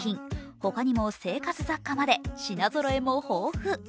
ほかにも生活雑貨まで品ぞろえも豊富。